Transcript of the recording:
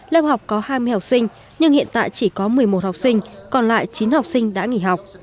lớp học có hai mươi học sinh nhưng hiện tại chỉ có một mươi một học sinh còn lại chín học sinh đã nghỉ học